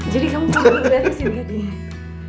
jadi kamu perlu berhubungan disini